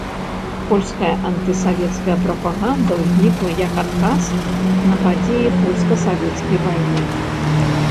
Польская антысавецкая прапаганда ўзнікла як адказ на падзеі польска-савецкай вайны.